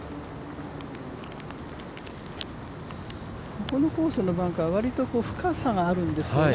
ここのコースのバンカー、わりと深さがあるんですよね。